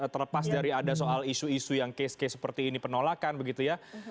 terlepas dari ada soal isu isu yang case case seperti ini penolakan begitu ya